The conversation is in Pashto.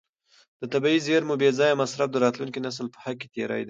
د طبیعي زیرمو بې ځایه مصرف د راتلونکي نسل په حق تېری دی.